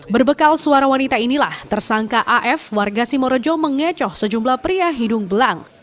berbekal suara wanita inilah tersangka af warga simorejo mengecoh sejumlah pria hidung belang